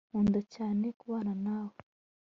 Nkunda cyane kubana nawe